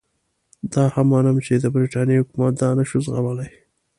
دا هم منم چې د برټانیې حکومت دا نه شوای زغملای.